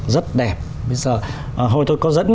rất đẹp bây giờ hồi tôi có dẫn